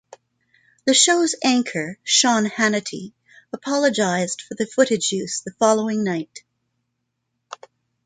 The show's anchor, Sean Hannity, apologized for the footage use the following night.